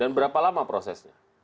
dan berapa lama prosesnya